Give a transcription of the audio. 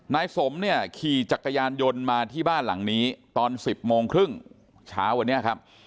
นายสมเนี่ยขี่จักรยานยนต์มาที่บ้านหลังนี้ตอน๑๐โมงครึ่งเช้าวันนี้ครับ